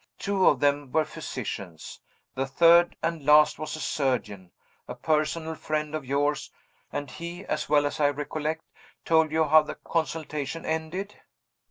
Two of them were physicians. The third, and last, was a surgeon, a personal friend of yours; and he, as well as I recollect, told you how the consultation ended?"